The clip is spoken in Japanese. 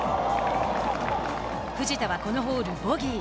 藤田はこのホールボギー。